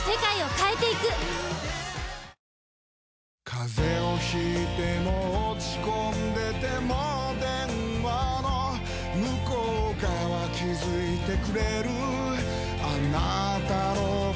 風邪を引いても落ち込んでても電話の向こう側気付いてくれるあなたの声